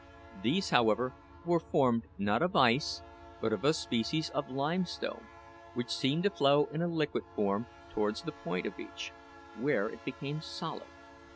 These, however, were formed, not of ice, but of a species of limestone, which seemed to flow in a liquid form towards the point of each, where it became solid.